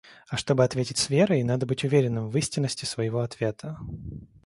А чтобы ответить с верой, надо быть уверенным в истинности своего ответа.